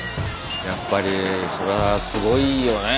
やっぱりそれはスゴいよね。